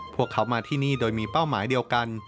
พวกเขามาที่นี่โดยมีเป้าหมายเดียวกัน